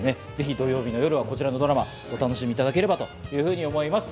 土曜日の夜はぜひこちらのドラマをお楽しみいただければと思います。